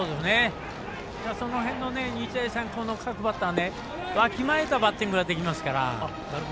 その辺の日大三高の各バッターがわきまえたバッティングができますから。